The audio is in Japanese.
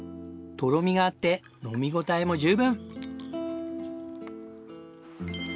とろみがあって飲み応えも十分。